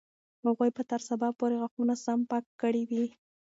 هغوی به تر سبا پورې غاښونه سم پاک کړي وي.